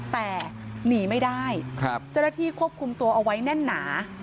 แต่หนีไม่ได้เจ้าหน้าที่ควบคุมตัวเอาไว้แน่นหนา